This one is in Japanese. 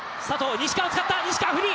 西川使った、西川、フリー。